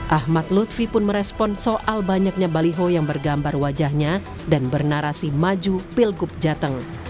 ahmad lutfi pun merespon soal banyaknya baliho yang bergambar wajahnya dan bernarasi maju pilgub jateng